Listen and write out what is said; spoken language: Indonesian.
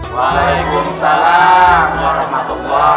waalaikumsalam warahmatullahi wabarakatuh